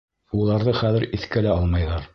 Уларҙы хәҙер иҫкә лә алмайҙар.